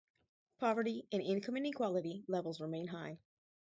Poverty and income inequality levels remain high.